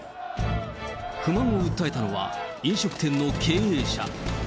不満を訴えたのは、飲食店の経営者。